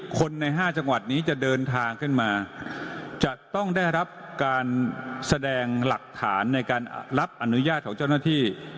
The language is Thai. คนใน๕จังหวัดนี้จะเดินทางขึ้นมาจะต้องได้รับการแสดงหลักฐานในการรับอนุญาตของเจ้าหน้าที่